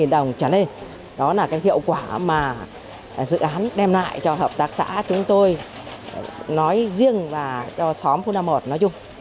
một trăm năm mươi đồng trả lời đó là cái hiệu quả mà dự án đem lại cho hợp tác xã chúng tôi nói riêng và cho xóm phu nam một nói chung